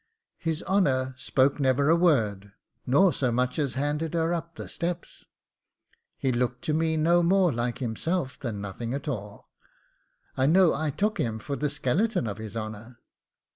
His honour spoke never a word, nor so much as handed her up the steps he looked to me no more like himself than nothing at all; I know I took him for the skeleton of his honour.